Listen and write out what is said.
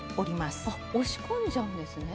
押し込んじゃうんですね。